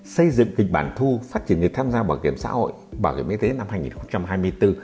xây dựng kịch bản thu phát triển người tham gia bảo hiểm xã hội bảo hiểm y tế năm hai nghìn hai mươi bốn